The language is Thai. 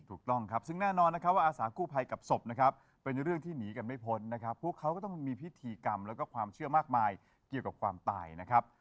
ถูกต้องครับซึ่งแน่นอนนะครับว่าอาสากู้ภัยกับศพนะครับเป็นเรื่องที่หนีกันไม่พ้นนะครับพวกเขาก็ต้องมีพิธีกรรมแล้วก็ความเชื่อมากมายเกี่ยวกับความตายนะครับ